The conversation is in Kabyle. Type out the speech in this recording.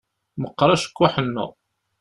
Meqqeṛ ucekkuḥ-nneɣ.